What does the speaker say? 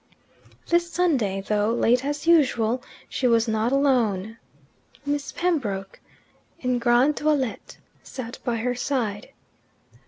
This Sunday, though late as usual, she was not alone. Miss Pembroke, en grande toilette, sat by her side.